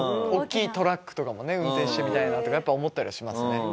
大きいトラックとかもね運転してみたいなとかやっぱ思ったりはしますね。